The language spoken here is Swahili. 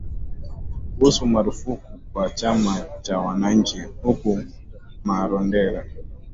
kuhusu marufuku kwa chama cha wananchi huko Marondera